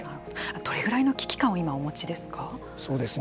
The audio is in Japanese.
どれぐらいの危機感を今、お持ちですか。